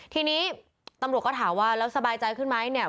ทีนี้ตำรวจก็ถามว่าแล้วสบายใจขึ้นไหมเนี่ย